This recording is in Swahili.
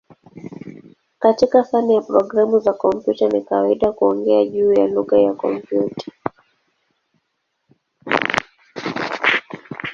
Katika fani ya programu za kompyuta ni kawaida kuongea juu ya "lugha ya kompyuta".